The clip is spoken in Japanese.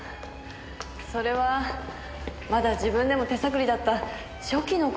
それはまだ自分でも手探りだった初期の頃の作品です。